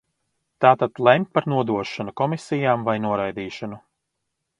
Tātad lemj par nodošanu komisijām vai noraidīšanu.